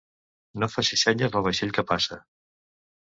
No facis senyes al vaixell que passa.